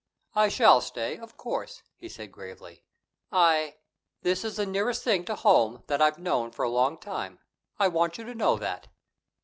"I shall stay, of course," he said gravely. "I this is the nearest thing to home that I've known for a long time. I want you to know that."